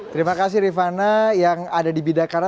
terima kasih rifana yang ada di bidakara